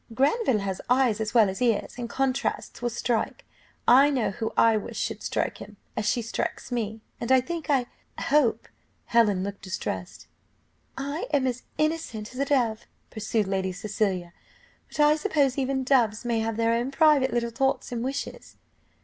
Granville has eyes as well as ears, and contrasts will strike. I know who I wish should strike him, as she strikes me and I think I hope " Helen looked distressed. "I am as innocent as a dove," pursued Lady Cecilia; "but I suppose even doves may have their own private little thoughts and wishes."